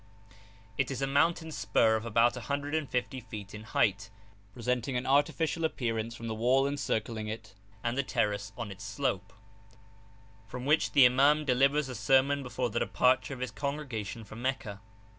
It is a mountain spur of about a hundred and fifty feet in height, presenting an artificial appearance from the wall encircling it and the terrace on its slope, from which the iman delivers a sermon before the departure of his congregation for Meccah.